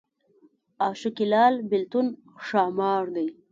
عاشقي لال بېلتون ښامار دی